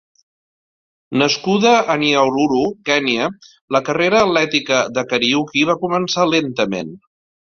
Nascuda a Nyahururu, Kenya, la carrera atlètica de Kariuki va començar lentament.